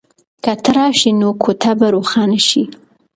که ته راشې نو کوټه به روښانه شي.